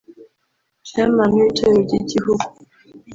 Chairman w’itorero ry’igihugu